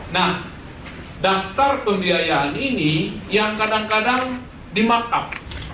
nah daftar pembiayaan ini yang kadang kadang dimakap